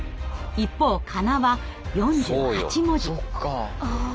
一方かなは４８文字。